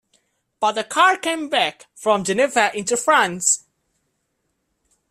But the car came back from Geneva into France!